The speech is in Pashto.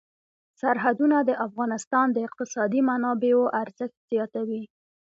سرحدونه د افغانستان د اقتصادي منابعو ارزښت زیاتوي.